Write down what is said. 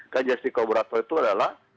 ke justice collaborator itu adalah